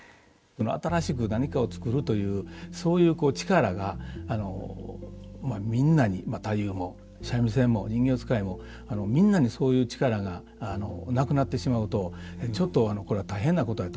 新しく何かをつくるというそういう力がまあみんなに太夫も三味線も人形遣いもみんなにそういう力がなくなってしまうとちょっとこれは大変なことやと思うんですね。